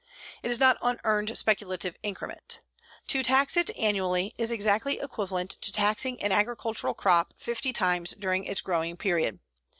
It is not unearned speculative increment. To tax it annually is exactly equivalent to taxing an agricultural crop 50 times during its growing period.